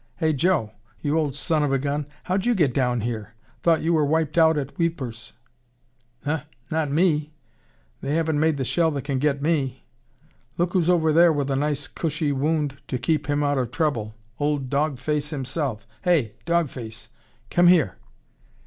"Hey, Joe! You old son of a gun! How'd you get down here? Thought you were wiped out up at Wipers." "Huh! Not me! They haven't made the shell that can get me. Look who's over there with a nice cushy wound to keep him out of trouble. Old Dog Face himself. Hey! Dog Face ... Come here!"